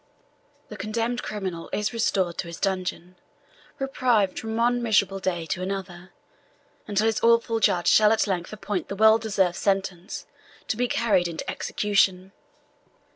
"The condemned criminal is restored to his dungeon, reprieved from one miserable day to another, until his awful Judge shall at length appoint the well deserved sentence to be carried into execution."